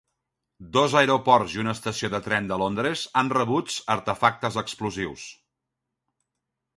Dos aeroports i una estació de tren de Londres han rebuts artefactes explosius.